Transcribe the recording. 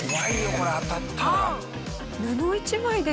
これ当たったら。